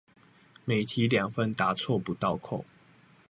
每題兩分答錯不倒扣